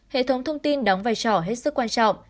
hệ thống thông tin đóng vai trò hết sức quan trọng